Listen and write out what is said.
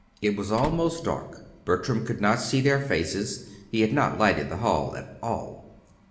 It was almost dark. Bertram could not see their faces. He had not lighted the hall at all.